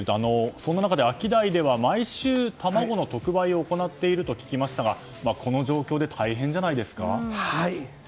そんな中でアキダイでは毎週卵の特売を行っていると聞きましたがこの状況で大変じゃないですか？